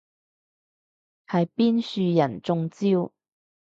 係邊樹人中招？